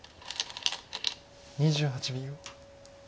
２８秒。